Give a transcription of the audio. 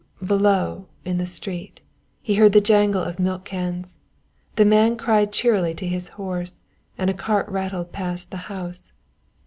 Below, in the street, he heard the jangle of milk cans. Then a man cried cheerily to his horse and a cart rattled past the house.